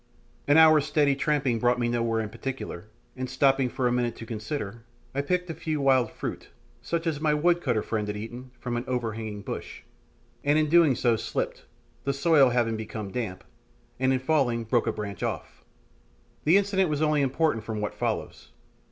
An hour's steady tramping brought me nowhere in particular, and stopping for a minute to consider, I picked a few wild fruit, such as my wood cutter friend had eaten, from an overhanging bush, and in so doing slipped, the soil having now become damp, and in falling broke a branch off. The incident was only important from what follows.